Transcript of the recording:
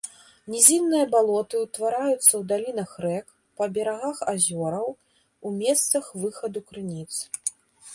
Нізінныя балоты ўтвараюцца ў далінах рэк, па берагах азёраў, у месцах выхаду крыніц.